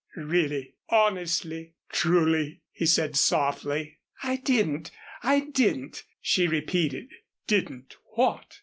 "Really? Honestly? Truly?" he said, softly. "I didn't I didn't," she repeated. "Didn't what?"